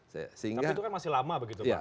tapi itu kan masih lama begitu pak